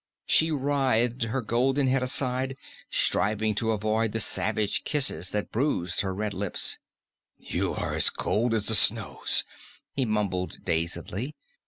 She writhed her golden head aside, striving to avoid the savage kisses that bruised her red lips. "You are cold as the snows," he mumbled dazedly.